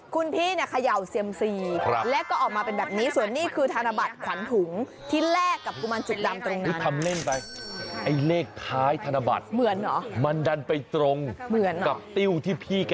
คุณพี่เนี่ยขยัวเซียมซี